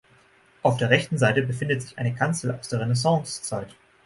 Auf der rechten Seite befindet sich eine Kanzel aus der Renaissancezeit.